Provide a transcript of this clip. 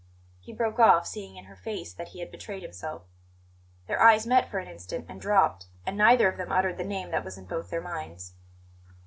He broke off, seeing in her face that he had betrayed himself. Their eyes met for an instant, and dropped; and neither of them uttered the name that was in both their minds.